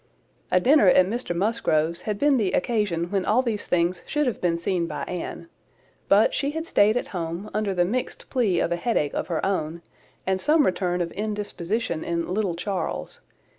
A dinner at Mr Musgrove's had been the occasion when all these things should have been seen by Anne; but she had staid at home, under the mixed plea of a headache of her own, and some return of indisposition in little Charles.